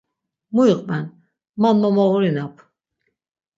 Mu iqven man mo moğurinap.